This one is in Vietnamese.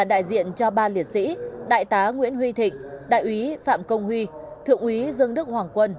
đại diện cho ba liệt sĩ đại tá nguyễn huy thịnh đại úy phạm công huy thượng úy dương đức hoàng quân